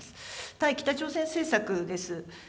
対北朝鮮政策です。